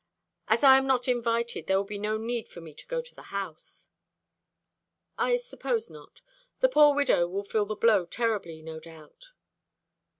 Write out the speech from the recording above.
As I am not invited, there will be no need for me to go to the house." "I suppose not. The poor widow will feel the blow terribly, no doubt."